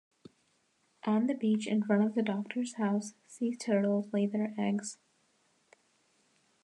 On the beach in front of the Doctor's House, sea turtles lay their eggs.